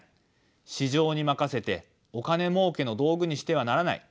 市場に任せてお金もうけの道具にしてはならない。